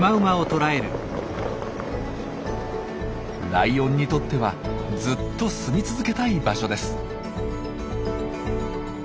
ライオンにとってはずっと住み続けたい場所です。